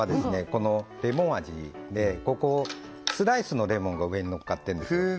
このレモン味でここスライスのレモンが上にのっかってんですよ